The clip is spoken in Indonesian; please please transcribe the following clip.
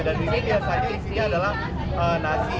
dan ini biasanya isinya adalah nasi